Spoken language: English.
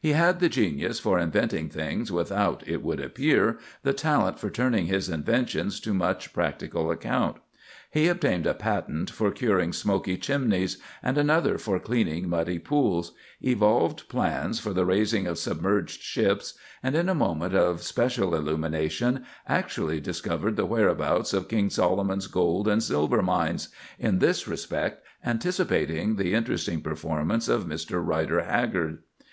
He had the genius for inventing things without, it would appear, the talent for turning his inventions to much practical account. He obtained a patent for curing smoky chimneys, and another for cleaning muddy pools; evolved plans for the raising of submerged ships; and in a moment of special illumination actually discovered the whereabouts of King Solomon's gold and silver mines—in this respect anticipating the interesting performance of Mr. Rider Haggard.